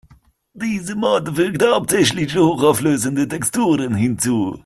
Diese Mod fügt hauptsächlich hochauflösende Texturen hinzu.